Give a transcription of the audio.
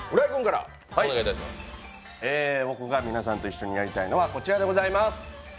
僕が皆さんと一緒にやりたいのはこちらでございます。